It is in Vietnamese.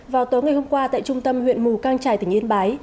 vào tối ngày hôm qua tại trung tâm huyện mù căng trải tỉnh yên bái